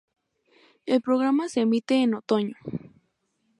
El programa se emite en otoño.